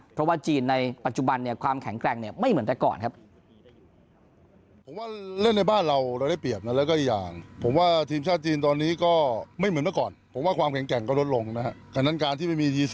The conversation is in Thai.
เพราะว่าจีนในปัจจุบันเนี่ยความแข็งแกร่งเนี่ยไม่เหมือนแต่ก่อนครับ